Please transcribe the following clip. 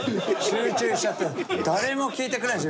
集中しちゃって誰も聞いてくれない。